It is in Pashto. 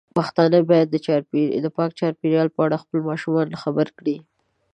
پښتانه بايد د پاک چاپیریال په اړه خپل ماشومان خبر کړي.